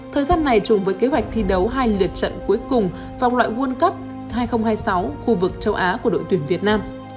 thời gian này chung với kế hoạch thi đấu hai lượt trận cuối cùng vòng loại world cup hai nghìn hai mươi sáu khu vực châu á của đội tuyển việt nam